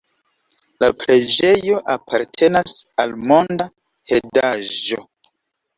La preĝejo apartenas al Monda Heredaĵo.